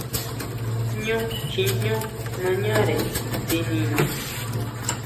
Ñú kjiʼñú nañare tsinina.